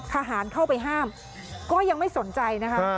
ทหารเข้าไปห้ามก็ยังไม่สนใจนะคะ